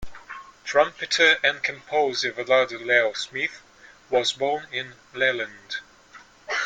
Trumpeter and composer Wadada Leo Smith was born in Leland.